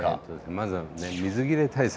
まずはね水切れ対策。